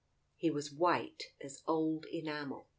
He was white as old enamel.